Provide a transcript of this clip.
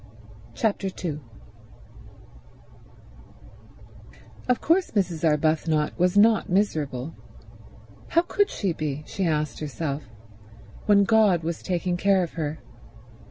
Chapter 2 Of course Mrs. Arbuthnot was not miserable—how could she be, she asked herself, when God was taking care of her?